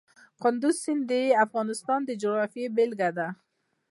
کندز سیند د افغانستان د جغرافیې بېلګه ده.